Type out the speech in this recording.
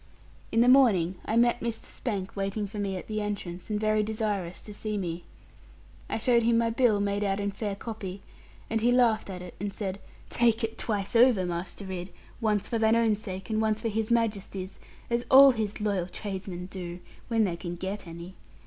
In the morning I met Mr. Spank waiting for me at the entrance, and very desirous to see me. I showed him my bill, made out in fair copy, and he laughed at it, and said, 'Take it twice over, Master Ridd; once for thine own sake, and once for His Majesty's; as all his loyal tradesmen do, when they can get any.